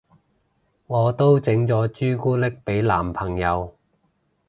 我都整咗朱古力俾男朋友